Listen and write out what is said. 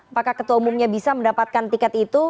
apakah ketua umumnya bisa mendapatkan tiket itu